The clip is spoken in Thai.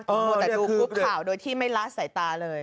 ควรจะดูกรุ๊ปข่าวโดยที่ไม่ล่ะสัมภาษณ์เลย